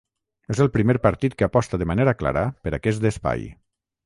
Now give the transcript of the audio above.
És el primer partit que aposta de manera clara per aquest espai.